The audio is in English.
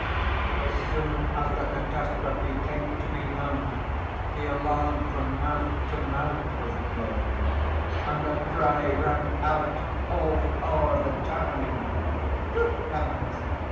As soon as the catastrophe came to be known The alarm from mouth to mouth was blown, And the cry rang out all o'er the town, Good Heavens!